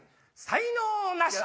才能なし！